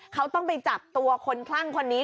เขาต้องไปจับตัวคนคลั่งคนนี้